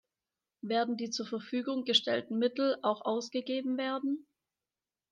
Werden die zur Verfügung gestellten Mittel auch ausgegeben werden?